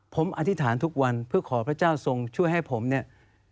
ผมอธิษฐานทุกวันเพื่อขอพระเจ้าทรงช่วยให้ผมเนี่ย